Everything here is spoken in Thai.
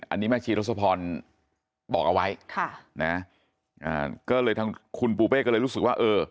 อันนี้แม่ชีทศพรบอกเอาไว้คุณปูเป้ก็เลยรู้สึกว่าเออ